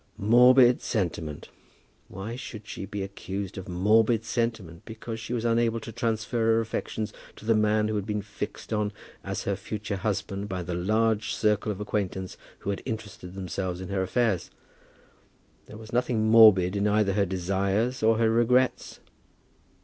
Morbid sentiment! Why should she be accused of morbid sentiment because she was unable to transfer her affections to the man who had been fixed on as her future husband by the large circle of acquaintance who had interested themselves in her affairs? There was nothing morbid in either her desires or her regrets.